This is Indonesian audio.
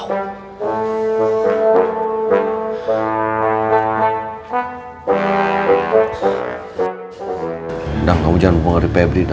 udah kamu jangan mempengaruhi pebri udah